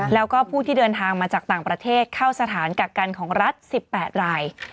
แล้วก็ผู้ที่เดินทางมาจากต่างประเทศเข้าสถานกักกันของรัฐ๑๘ราย